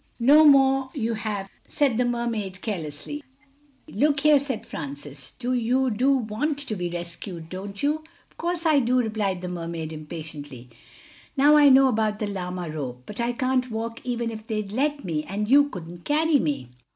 "No more you have," said the Mermaid carelessly. "Look here," said Francis, "you do want to be rescued, don't you? "Of course I do," replied the Mermaid impatiently, "now I know about the llama rope. But I can't walk even if they'd let me, and you couldn't carry me.